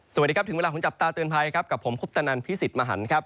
สวัสดีครับถึงเวลาของจับตาเตือนภัยครับกับผมคุปตนันพิสิทธิ์มหันครับ